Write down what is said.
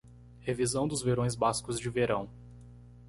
Revisão dos verões bascos de verão.